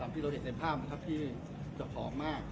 พี่ธราบเหตุในภาพจะผอมมาก